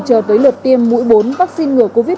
chờ tới lượt tiêm mũi bốn vaccine ngừa covid một mươi chín